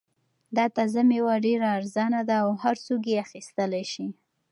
دا تازه مېوه ډېره ارزان ده او هر څوک یې اخیستلای شي.